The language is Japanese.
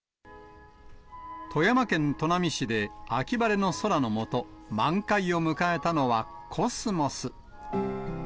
富山県砺波市で、秋晴れの空の下、満開を迎えたのはコスモス。